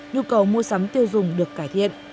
nhu cầu mua sắm tiêu dùng được cải thiện